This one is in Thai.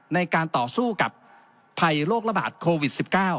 ในการต่อสู้กับภัยโรคระบาดโควิด๑๙